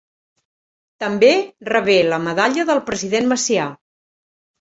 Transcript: També rebé la Medalla del President Macià.